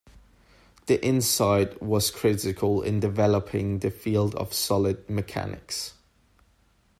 The insight was critical in developing the field of solid mechanics.